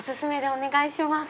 お願いします。